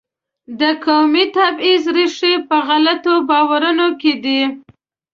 د قومي تبعیض ریښې په غلطو باورونو کې دي.